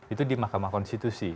itu di mahkamah konstitusi